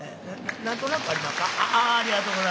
何となく分かりまっか？